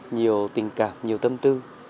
nhiều tình cảm nhiều tâm tư